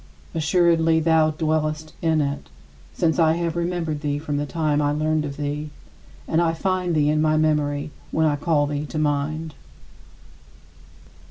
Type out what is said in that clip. Assuredly, thou dwellest in it, since I have remembered thee from the time I learned of thee, and I find thee in my memory when I call thee to mind.